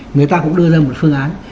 người ta cũng đưa ra một phương án